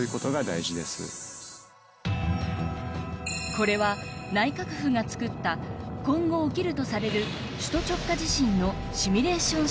これは内閣府が作った今後起きるとされる首都直下地震のシミュレーション